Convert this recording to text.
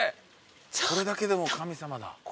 これだけでも神様だ。